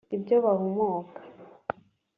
ibyo bahumuka